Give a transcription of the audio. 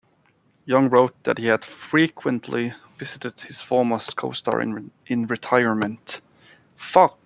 Young wrote that he had frequently visited his former co-star in retirement.